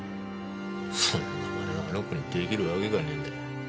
そんな真似があの子に出来るわけがねえんだ。